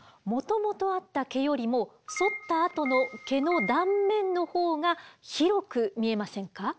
もともとあった毛よりもそったあとの毛の断面の方が広く見えませんか？